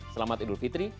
selamat idul fitri